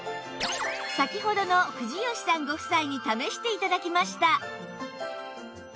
先ほどの藤好さんご夫妻に試して頂きました